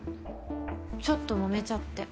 ちょっと揉めちゃって。